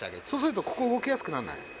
そうすると、ここ、動きやすくならない？